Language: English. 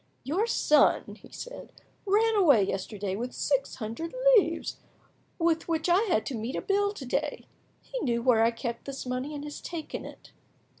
"Your son," he said, "ran away yesterday with six hundred livres, with which I had to meet a bill to day. He knew where I kept this money, and has taken it."